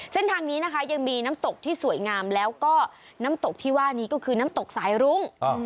เส้นทางนี้นะคะยังมีน้ำตกที่สวยงามแล้วก็น้ำตกที่ว่านี้ก็คือน้ำตกสายรุ้ง